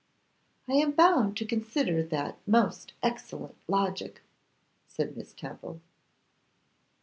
'I am bound to consider that most excellent logic,' said Miss Temple.